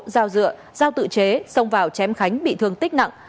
giao dựa giao tự chế xông vào chém khánh bị thương tích nặng